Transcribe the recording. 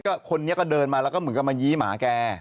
ก็คนนี้ก็เดินมาแล้วก็เหมือนกับมายี้หมาแก